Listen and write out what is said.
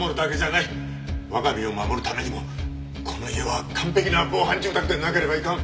我が身を守るためにもこの家は完璧な防犯住宅でなければいかん。